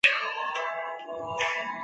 国君为姜姓。